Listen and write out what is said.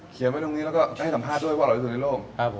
เขียนไว้ตรงนี้แล้วก็ให้สัมภาพด้วยว่าอร่อยีกอยู่ในโลก